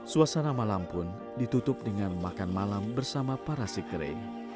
suasana malam pun ditutup dengan makan malam bersama para si kere